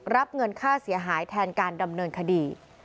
รับเงินค่าเสียหายแทนการดำเนินคดี